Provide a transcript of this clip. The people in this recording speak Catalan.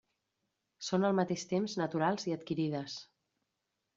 Són al mateix temps naturals i adquirides.